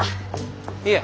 いえ。